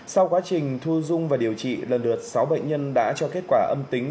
sau quá trình thu dung và điều trị lần lượt sáu bệnh nhân đã cho kết quả âm tính